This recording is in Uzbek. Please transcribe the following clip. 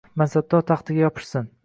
Mansabdor taxtiga yopishsin